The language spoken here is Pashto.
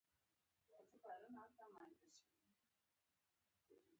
ښه تبلیغ د محصول نوم پراخوي.